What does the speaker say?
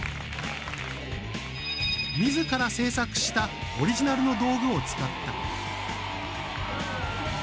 みずから制作したオリジナルの道具を使ったり。